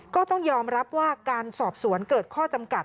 ก็ต้องยอมรับว่าการสอบสวนเกิดข้อจำกัด